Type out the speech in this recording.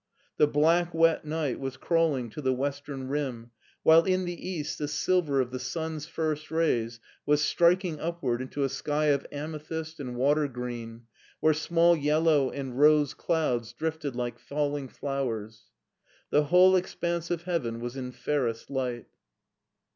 The black, wet night was crawling to the western rim, while in the east the silver of the stm's first rays was striking upward into a sky of amethyst and water green where small yellow and rose clouds drifted like falling flowers. The whole expanse of heaven was in fairest light.